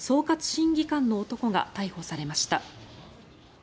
審議官の男が逮捕されました。